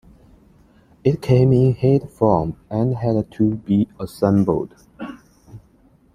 It came in kit form, and had to be assembled.